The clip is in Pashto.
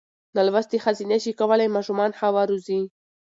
نالوستې ښځې نشي کولای ماشومان ښه وروزي.